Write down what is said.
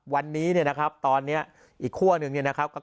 วันนี้นะครับตอนนี้อีกขั้วนึงนะครับ